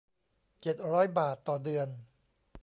เจ็ดร้อย บาทต่อเดือน